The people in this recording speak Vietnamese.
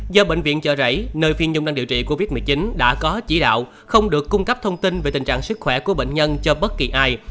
do bệnh viện chợ rẫy nơi phiên nhung đang điều trị covid một mươi chín đã có chỉ đạo không được cung cấp thông tin về tình trạng sức khỏe của bệnh nhân cho bất kỳ ai